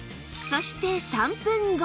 そして３分後